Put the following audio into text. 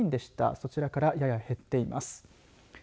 そちらから、やや減っています。